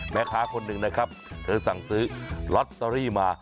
แม่ค้าคนหนึ่งนะครับเธอสั่งซื้อลอตเตอรี่มา